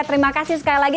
terima kasih sekali lagi